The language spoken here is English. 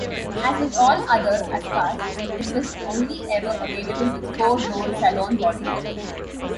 As with all other Askas, this was only ever available with four-door saloon bodywork.